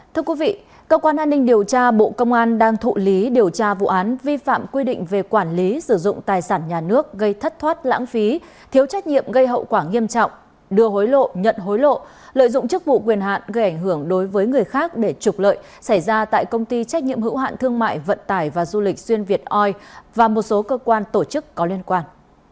thưa quý vị cơ quan an ninh điều tra bộ công an đang thụ lý điều tra vụ án vi phạm quy định về quản lý sử dụng tài sản nhà nước gây thất thoát lãng phí thiếu trách nhiệm gây hậu quả nghiêm trọng đưa hối lộ nhận hối lộ lợi dụng chức vụ quyền hạn gây ảnh hưởng đối với người khác để trục lợi xảy ra tại công ty trách nhiệm hữu hạn thương mại vận tải và du lịch xuyên việt oil và một số cơ quan tổ chức có liên quan